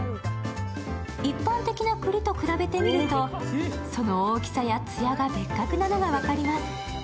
一般的なくりと比べてみると、その大きさやつやが別格なのが分かります。